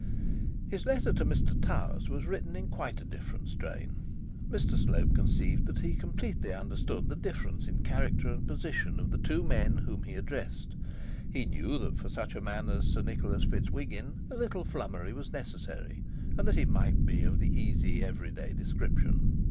His letter to Mr Towers was written in quite a different strain. Mr Slope conceived that he completely understood the difference in character and position of the two men whom he addressed. He knew that for such a man as Sir Nicholas Fitzwhiggin a little flummery was necessary, and that it might be of the easy everyday description.